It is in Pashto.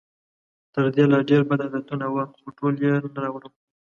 تر دې لا ډېر بد عادتونه وو، خو ټول یې نه راوړم.